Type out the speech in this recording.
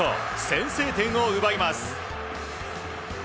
先制点を奪います。